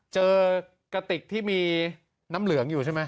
กระติกที่มีน้ำเหลืองอยู่ใช่ไหม